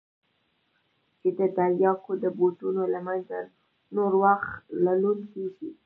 چې د ترياکو د بوټو له منځه نور واښه للون کېږي.